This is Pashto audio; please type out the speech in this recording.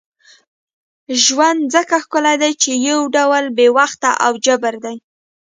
ژوند ځکه ښکلی دی چې یو ډول بې وخته او جبر دی.